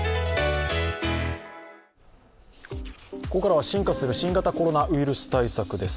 ここからは進化する新型コロナウイルス対策です。